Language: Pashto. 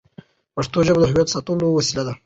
پښتو ژبه د هویت ساتلو وسیله ده.